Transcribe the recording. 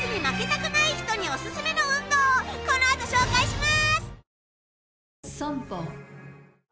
この後紹介します！